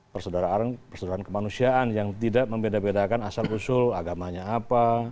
persaudaraan persaudaraan kemanusiaan yang tidak membeda bedakan asal usul agamanya apa